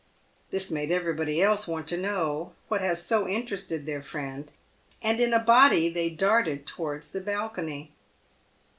This made everybody else want to know what has so interested their friend, and in a body they darted towards the balcony.